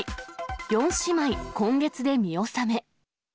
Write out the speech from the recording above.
４姉妹、今月で見納め。